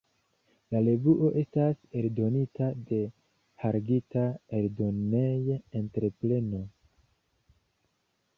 La revuo estas eldonita de Hargita Eldonej-entrepreno.